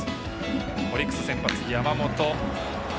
オリックス先発、山本。